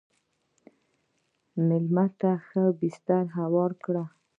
مېلمه ته ښه بستر هوار کړه.